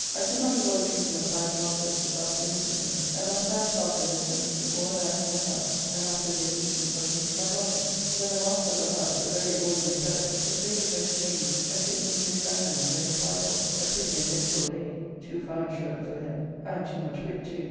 I could not avoid drinking of 5 glasses this afternoon with him, and after I had parted with him Mr. Moore and I to my house, and after we had eaten something to my lodgings, where the master of the house, a very ordinary fellow, was ready to entertain me and took me into his dining room where his wife was, a pretty and notable lady, too fine surely for him, and too much wit too.